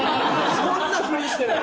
そんなふりしてない。